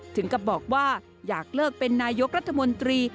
ถึงกับบอกว่าอยากเลิกเป็นนายกรัฐมนตรี